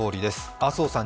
麻生さん